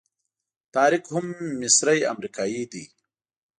طارق هم مصری امریکایي دی.